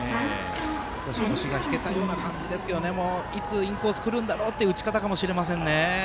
少し腰が引けたような感じですがいつインコース来るんだろうっていう打ち方かもしれませんね。